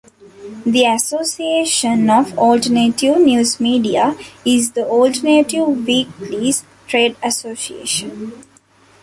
The Association of Alternative Newsmedia is the alternative weeklies' trade association.